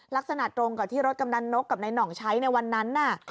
ลักษณะตรงกับที่รถกำนันนกกับนายหน่องใช้ในวันนั้น